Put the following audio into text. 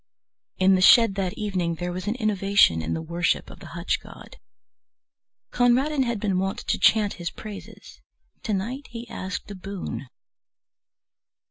In the shed that evening there was an innovation in the worship of the hutch god. Conradin had been wont to chant his praises, to night he asked a boon.